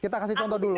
kita kasih contoh dulu